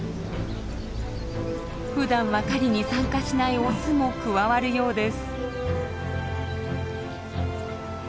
ふだんは狩りに参加しないオスも加わるようです。